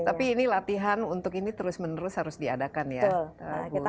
tapi ini latihan untuk ini terus menerus harus diadakan ya